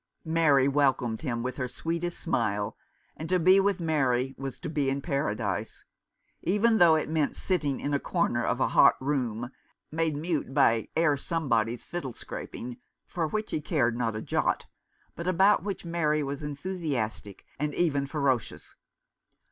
Mary welcomed him with her sweetest smile, and to be with Mary was to be in Paradise, even though it meant sitting in a corner of a hot room, made mute by Herr Somebody's fiddle scraping, for which he cared not a jot, but about which Mary was enthusiastic, and even ferocious.